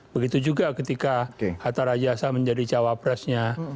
begitu juga ketika hatta rajasa menjadi cawapresnya